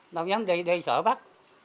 đâu dám đi đi sợ bắt